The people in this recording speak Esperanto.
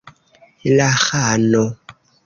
La ĥano!